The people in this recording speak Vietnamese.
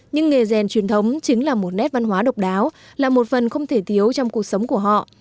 nhưng nghề rèn truyền thống chính là một nét văn hóa độc đáo là một phần không thể thiếu trong cuộc sống của họ